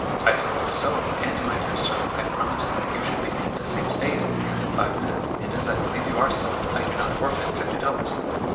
"I suppose so; and, my dear sir, I promised that you should be 'in the same state' at the end of five minutes, and as I believe you are so, I do not forfeit fifty dollars."